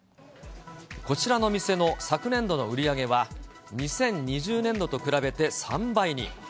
こちらの店の昨年度の売り上げは、２０２０年度と比べて、３倍に。